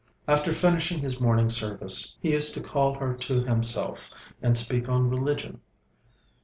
After finishing his morning service, he used to call her to himself and speak on religion.